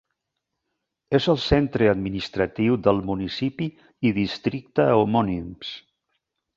És el centre administratiu del municipi i districte homònims.